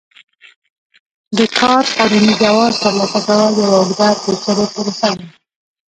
د کار قانوني جواز ترلاسه کول یوه اوږده پېچلې پروسه ده.